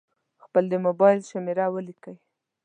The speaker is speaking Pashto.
خپل د مبایل شمېره ولیکئ.